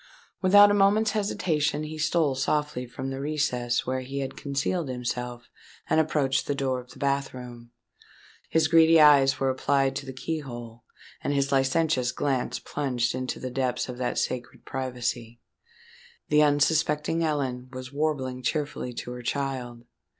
Without a moment's hesitation he stole softly from the recess where he had concealed himself, and approached the door of the bath room. His greedy eyes were applied to the key hole; and his licentious glance plunged into the depths of that sacred privacy. The unsuspecting Ellen was warbling cheerfully to her child.